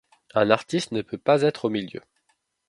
Un artiste ne peut pas être au milieu.